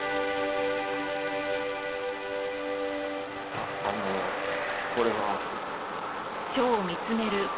ああのうこれは。